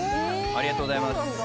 ありがとうございます。